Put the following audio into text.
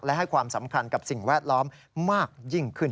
และให้ความสำคัญกับสิ่งแวดล้อมมากยิ่งขึ้น